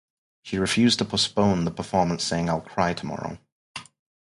She refused to postpone the performance saying I'll cry tomorrow.